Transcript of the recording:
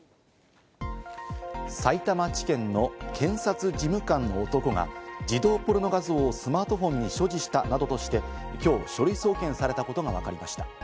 さいたま地検の検察事務官の男が児童ポルノ画像をスマートフォンに所持したなどとして、きょう書類送検されたことがわかりました。